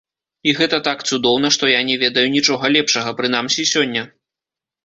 І гэта так цудоўна, што я не ведаю нічога лепшага, прынамсі, сёння.